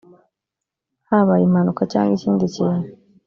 habaye impanuka cyangwa ikindi kintu